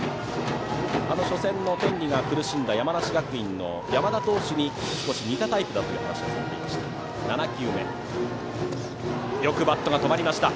あの初戦の天理が苦しんだ山梨学院の山田投手に少し似たタイプだという話もしていました。